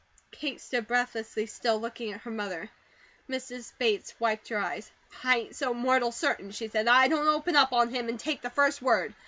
Kate stood breathlessly still, looking at her mother. Mrs. Bates wiped her eyes. "I ain't so mortal certain," she said, "that I don't open up on him and take the first word.